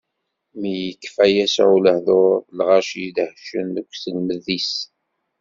Mi yekfa Yasuɛ lehduṛ, lɣaci dehcen deg uselmed-is.